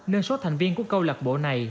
nâng số thành viên của câu lạc bộ này